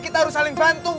kita harus saling bantu